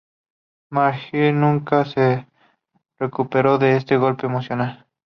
Marseille nunca se recuperó de este golpe emocional.